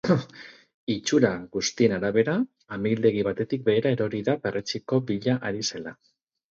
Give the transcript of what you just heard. Itxura guztien arabera, amildegi batetik behera erori da perretxiko bila ari zela.